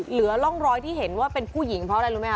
เหลือร่องรอยที่เห็นว่าเป็นผู้หญิงเพราะอะไรรู้ไหมค